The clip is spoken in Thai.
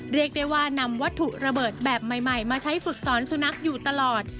เรียกได้ว่านำวัตถุระเบิดแบบใหม่มาใช้ฝึกสอนสุนัขอยู่ตลอด